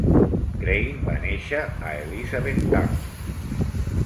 Crane va néixer a Elizabethtown.